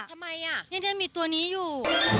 ทำไมยังมีตัวนี้อยู่